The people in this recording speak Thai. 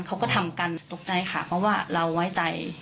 เขาก็ทำกันตกใจค่ะเพราะว่าเราไว้ใจ